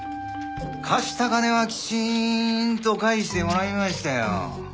貸した金はきちんと返してもらいましたよ。